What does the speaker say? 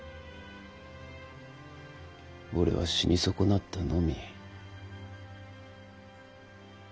俺は死に損なったのみ。